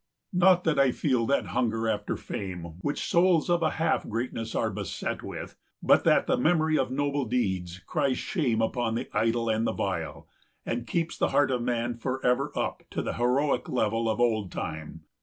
Not that I feel that hunger after fame, Which souls of a half greatness are beset with; But that the memory of noble deeds Cries shame upon the idle and the vile, 190 And keeps the heart of Man forever up To the heroic level of old time.